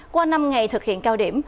qua năm ngày thực hiện cao điểm